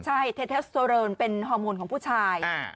ใช่เทเทสโตเรินเป็นฮอร์โมนของผู้ชาย